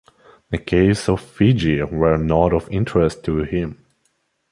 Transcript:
The caves of Fiji were not of interest to him.